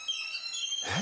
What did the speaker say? えっ？